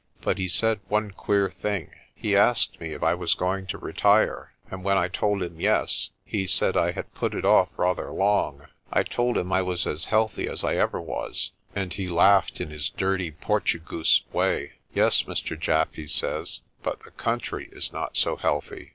But he said one queer thing. He asked me if I was going to retire, and when I told him 'yes,' he said I had put it off rather long. I told him I was as healthy as I ever was, and he laughed in his dirty Portugoose way. 'Yes, Mr. Japp,' he says, 'but the country is not so healthy.'